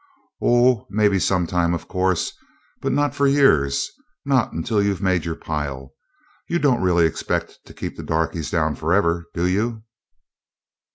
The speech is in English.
"Oh, maybe some time, of course. But not for years; not until you've made your pile. You don't really expect to keep the darkies down forever, do you?"